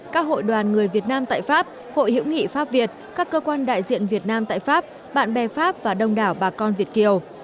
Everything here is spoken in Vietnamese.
các hội đoàn người việt nam tại pháp hội hiểu nghị pháp việt các cơ quan đại diện việt nam tại pháp bạn bè pháp và đông đảo bà con việt kiều